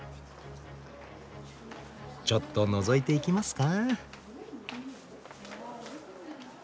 ちょっとのぞいていきますか？